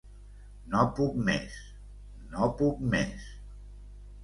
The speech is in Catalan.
No puc més, no puc més.